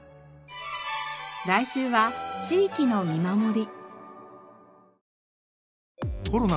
来週は地域の見守り。